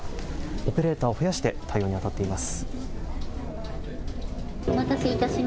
オペレーターを増やして対応にあたっています。